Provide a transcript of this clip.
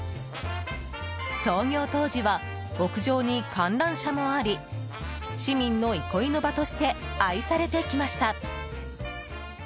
創業当時は屋上に観覧車もあり市民の憩いの場として愛されてきました。